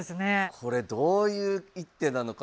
これどういう一手なのか。